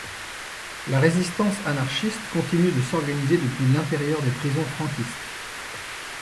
La résistance anarchiste continue de s’organiser depuis l’intérieur des prisons franquistes.